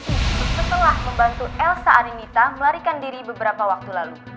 setelah membantu elsa arinita melarikan diri beberapa waktu lalu